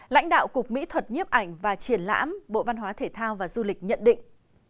lãnh đạo cục mỹ thuật nhiếp ảnh và triển lãm bộ văn hóa thể thao và du lịch nhận định